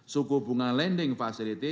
suku bunga lending facility